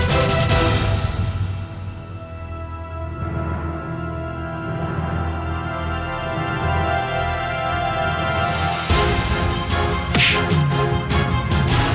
mereka harus belajar